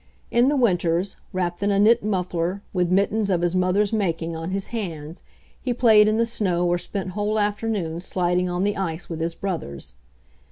In the winters, wrapped in a knit muffler, with mittens of his mother's making on his hands, he played in the snow or spent whole afternoons sliding on the ice with his brothers.